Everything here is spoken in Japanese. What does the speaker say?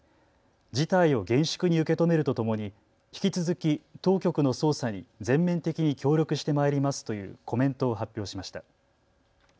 事態を厳粛に受け止めるとともに引き続き当局の捜査に全面的に協力してまいりますというコメントを発表しました。